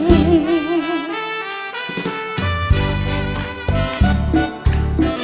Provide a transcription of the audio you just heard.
ฟังคุณหนุ่ยไปแล้ว